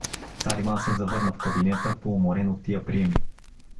Цар Иван се завърна в кабинета поуморен от тия приеми.